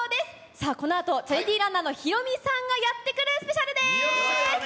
さあ、このあと、チャリティーランナーのヒロミさんがやってくるスペシャルでーす！